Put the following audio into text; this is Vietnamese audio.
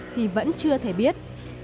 thì vẫn chưa thể biết